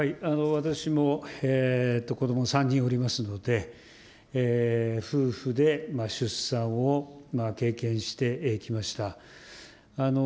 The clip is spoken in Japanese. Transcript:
私も子ども３人おりますので、夫婦で出産を経験してきました。